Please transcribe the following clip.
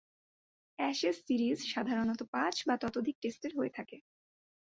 Ashes series সাধারণতঃ পাঁচ বা ততোধিক টেস্টের হয়ে থাকে।